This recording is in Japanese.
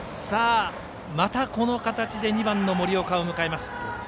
さあ、またこの形で２番の森岡を迎えます。